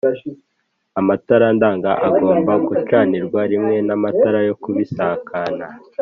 Amatara ndanga agomba gucanirwa rimwe n amatara yo kubisikana.